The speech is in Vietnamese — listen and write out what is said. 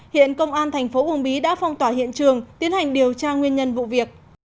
hiện công an thành phố uông bí đã phong tỏa hiện trường tiến hành điều tra nguyên nhân vụ việc